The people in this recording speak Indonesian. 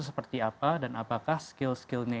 seperti apa dan apakah skill skillnya